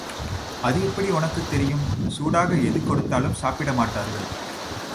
அது எப்படி உனக்குத் தெரியும்? சூடாக எது கொடுத்தாலும் சாப்பிட மாட்டார்கள்.